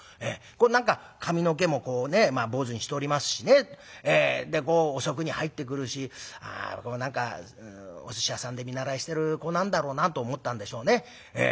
何か髪の毛もこうね坊主にしておりますしねで遅くに入ってくるし何かおすし屋さんで見習いしてる子なんだろうなと思ったんでしょうね。